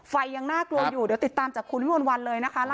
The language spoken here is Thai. ยังน่ากลัวอยู่เดี๋ยวติดตามจากคุณวิมวลวันเลยนะคะ